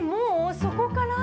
そこから？